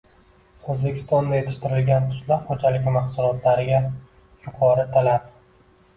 O‘zbekistonda yetishtirilgan qishloq xo‘jaligi mahsulotlariga yuqori talab